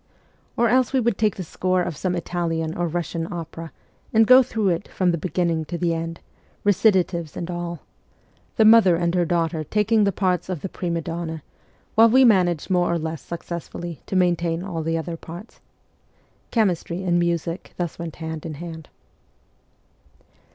Or else we would take the score of some Italian or Eussian opera and go through it from the beginning fco the end, recitatives and all the mother and her daughter taking the parts of the prime donne, while we managed more or rather less successfully to maintain all other parts. Chemistry and music thus went hand in hand.